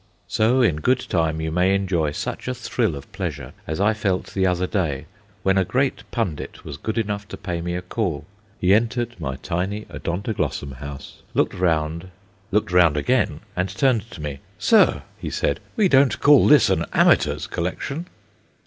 So, in good time, you may enjoy such a thrill of pleasure as I felt the other day when a great pundit was good enough to pay me a call. He entered my tiny Odontoglossum house, looked round, looked round again, and turned to me. "Sir," he said, "we don't call this an amateur's collection!"